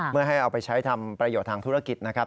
ไม่ให้เอาไปใช้ทำประโยชน์ทางธุรกิจนะครับ